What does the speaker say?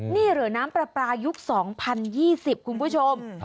นี่เหลือน้ำปลาปลายุค๒๐๒๐คุณผู้ชม